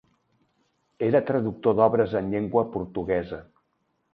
Era traductor d'obres en llengua portuguesa.